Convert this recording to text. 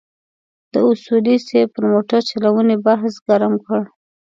د اصولي صیب پر موټرچلونې بحث ګرم کړ.